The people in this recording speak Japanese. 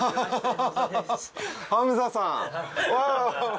ハムザさん！